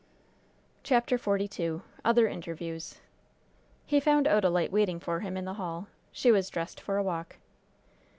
CHAPTER XLII OTHER INTERVIEWS He found Odalite waiting for him in the hall. She was dressed for a walk.